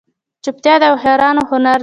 چوپتیا، د هوښیارانو هنر دی.